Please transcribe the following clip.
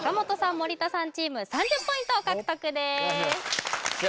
森田さんチーム３０ポイント獲得ですよっしゃ！